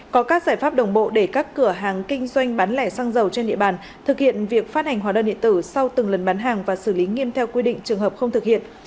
có các giải pháp đồng bộ để các cửa hàng kinh doanh bán lẻ xăng dầu trên địa bàn thực hiện việc phát hành hóa đơn điện tử sau từng lần bán hàng và xử lý nghiêm theo quy định trường hợp không thực hiện